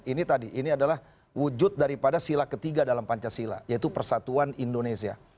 ini tadi ini adalah wujud daripada sila ketiga dalam pancasila yaitu persatuan indonesia